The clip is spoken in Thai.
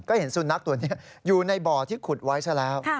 ก็เห็นสุนัขตัวนี้อยู่ในบ่อที่ขุดไว้ซะแล้ว